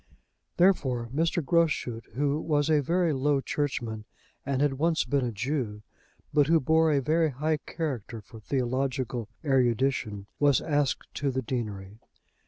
Therefore, Mr. Groschut, who was a very low churchman and had once been a Jew, but who bore a very high character for theological erudition, was asked to the deanery.